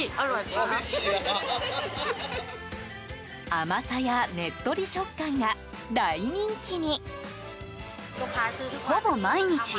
甘さや、ねっとり食感が大人気に。